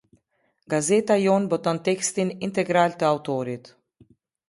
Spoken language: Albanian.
Gazeta jonë boton tekstin integral të autorit.